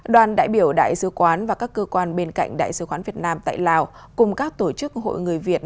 đoàn đại biểu đại sứ quán và các cơ quan bên cạnh đại sứ quán việt nam tại lào cùng các tổ chức hội người việt